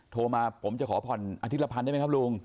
โทรมาผมจะขอผ่อน๑๐๐๐บาทได้ไหมครับลุง